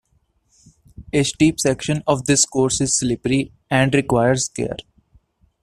A steep section of this course is slippery and requires care.